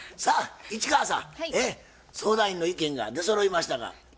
さあ市川さん相談員の意見が出そろいましたが。